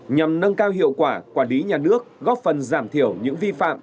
nhằm nâng cao hiệu quả quản lý nhà nước góp phần giảm thiểu những vi phạm